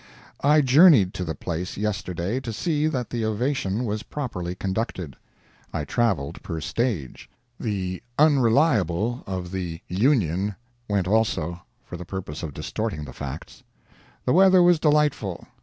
I journeyed to the place yesterday to see that the ovation was properly conducted. I traveled per stage. The Unreliable of the Union went also—for the purpose of distorting the facts. The weather was delightful.